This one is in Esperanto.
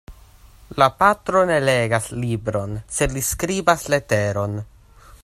La patro ne legas libron, sed li skribas leteron.